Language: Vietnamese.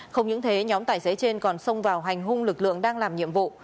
không những thế nhóm tài xế trên còn xông vào hành hung lực lượng đang làm nhiệm vụ